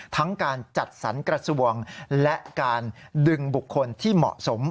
ทั้งการจัดสรรกระทรวงและการดึงบุคคลที่เหมาะสม